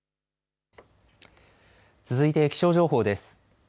続いて気象情報です。